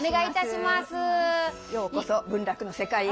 ようこそ文楽の世界へ。